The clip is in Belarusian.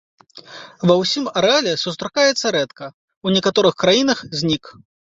Ва ўсім арэале сустракаецца рэдка, у некаторых краінах знік.